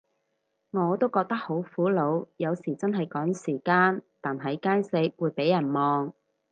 我都覺得好苦惱，有時真係趕時間，但喺街食都會被人望